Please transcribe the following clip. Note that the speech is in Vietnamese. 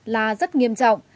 là rất nghiêm trọng